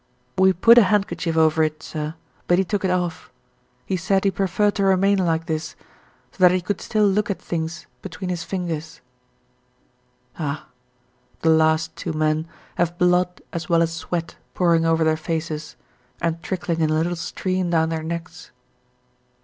"We put a handkerchief over it, sir, but he took it off. He said he preferred to remain like this, so that he could still look at things between his fingers." Ah! the last two men have blood as well as sweat pouring over their faces and trickling in a little stream down their necks.